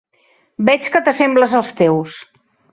Veig que t'assembles als teus.